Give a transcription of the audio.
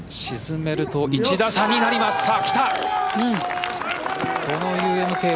沈めると１打差になります。